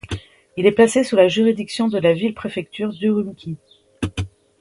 Il est placé sous la juridiction de la ville-préfecture d'Ürümqi.